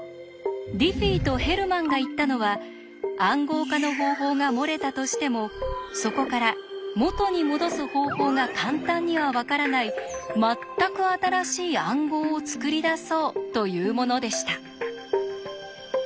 ディフィーとヘルマンが言ったのは「暗号化の方法」が漏れたとしてもそこから「元にもどす方法」が簡単にはわからない全く新しい暗号を作り出そうというものでした。